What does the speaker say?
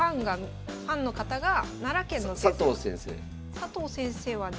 佐藤先生はね